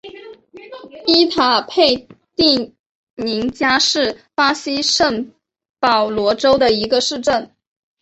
伊塔佩蒂宁加是巴西圣保罗州的一个市镇。